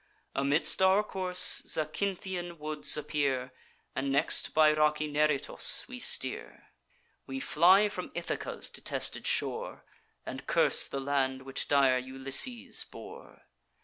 Amidst our course, Zacynthian woods appear; And next by rocky Neritos we steer: We fly from Ithaca's detested shore, And curse the land which dire Ulysses bore.